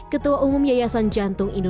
ketua umum yayasan jantung